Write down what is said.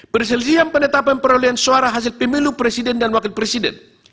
perselisihan penetapan perolehan suara hasil pemilu presiden dan wakil presiden